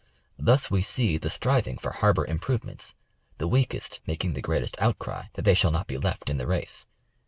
Thus we see the striving for harbor improvements ; the weakest making the greatest outcry that they shall not be left in the race.